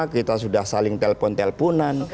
kita sudah saling telpon telponan